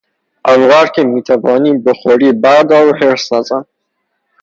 آنقدر که میتوانی بخوری بردار و حرص نزن!